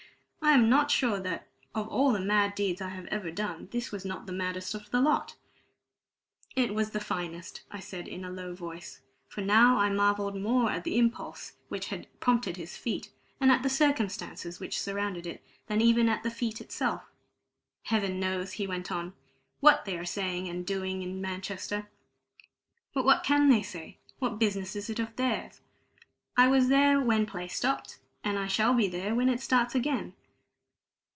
I am not sure that of all the mad deeds I have ever done, this was not the maddest of the lot!" "It was the finest," I said in a low voice; for now I marvelled more at the impulse which had prompted his feat, and at the circumstances surrounding it, than even at the feat itself. "Heaven knows," he went on, "what they are saying and doing in Manchester! But what can they say? What business is it of theirs? I was there when play stopped, and I shall be there when it starts again.